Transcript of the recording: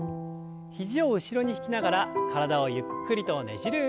肘を後ろに引きながら体をゆっくりとねじる運動です。